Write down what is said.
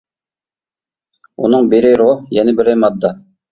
ئۇنىڭ بىرى روھ، يەنە بىرى ماددا.